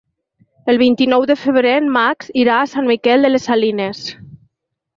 El vint-i-nou de febrer en Max irà a Sant Miquel de les Salines.